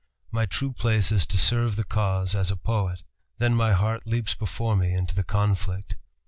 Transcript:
My true place is to serve the cause as a poet. Then my heart leaps before me into the conflict."